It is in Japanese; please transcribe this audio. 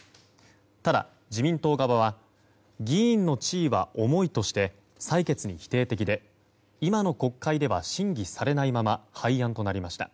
ただ、自民党側は議員の地位は重いとして採決に否定的で今の国会では審議されないまま廃案となりました。